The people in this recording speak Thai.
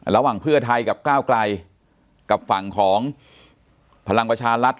ระหว่างเพื่อไทยกับก้าวไกลกับฝั่งของพลังประชารัฐ